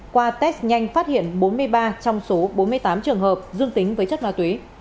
qua test nhanh phát hiện bốn mươi ba trong số bốn mươi tám trường hợp dương tính với chất ma túy